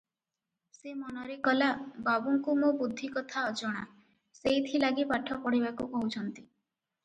ସେ ମନରେ କଲା, ବାବୁଙ୍କୁ ମୋ ବୁଦ୍ଧି କଥା ଅଜଣା, ସେଇଥି ଲାଗି ପାଠ ପଢ଼ିବାକୁ କହୁଛନ୍ତି ।